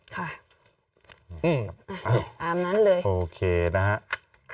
ค่ะตามนั้นเลยโอเคนะฮะ